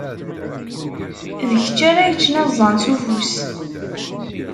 D kečč ara yeččen iẓẓan s ufus.